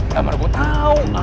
gak pernah gue tau